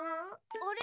あれ？